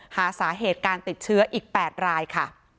หาสาเหตุการติดเชื้ออีก๘รายค่ะ